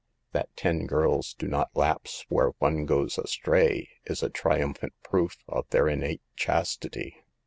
That ten girls do not lapse where one goes astray, is a trium phant proof of their innate chastity."